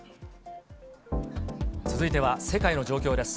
続いては世界の状況です。